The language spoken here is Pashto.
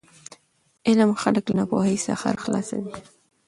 علم خلک له ناپوهي څخه خلاصوي.